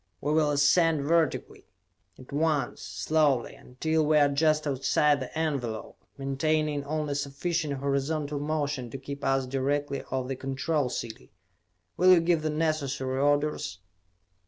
We will ascend vertically, at once slowly until we are just outside the envelope, maintaining only sufficient horizontal motion to keep us directly over the Control City. Will you give the necessary orders?"